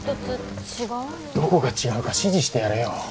どこが違うか指示してやれよ。